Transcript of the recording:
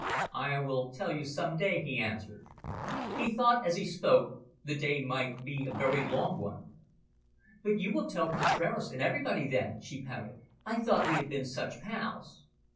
"I will tell you some day," he answered. He thought, as he spoke, the day might be a very long one. "But you will tell Contraras and everybody then," she pouted. "I thought we had been such pails."